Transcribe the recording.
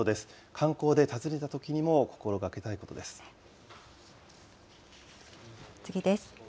観光で訪ねたときにも心がけたい次です。